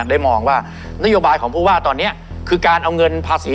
ได้มองว่านโยบายของผู้ว่าตอนนี้คือการเอาเงินภาษี